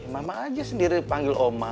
mama aja sendiri dipanggil oma